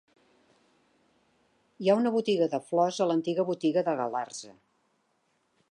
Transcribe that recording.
Hi ha una botiga de flors a l'antiga botiga de Galarza.